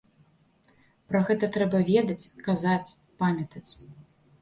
Пра гэта трэба ведаць, казаць, памятаць.